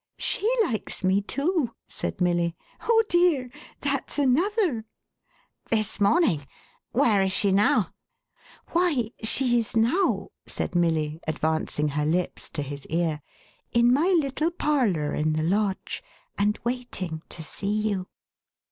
She likes me too !" said Milly. " Oh dear, that's another !"" This morning ! Where is she now ?"" Why, she is now,"" said Milly, advancing her lips to his ear, "in my little parlour in the Lodge, and waiting to see you."